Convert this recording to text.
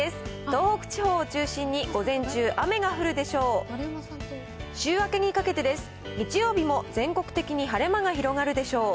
東北地方を中心に午前中、雨が降るでしょう。